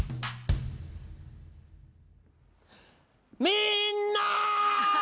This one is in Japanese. みんな！